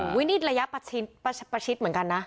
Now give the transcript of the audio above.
นี่ระยะประชิดเหมือนกันนะ